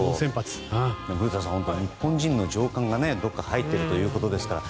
古田さん、日本人の情感が入っているということですから。